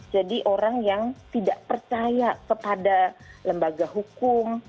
jadi orang yang tidak percaya kepada lembaga hukum